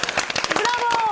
ブラボー！